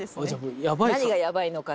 何がヤバいのか。